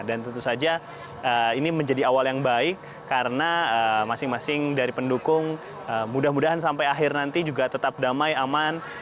dan tentu saja ini menjadi awal yang baik karena masing masing dari pendukung mudah mudahan sampai akhir nanti juga tetap damai aman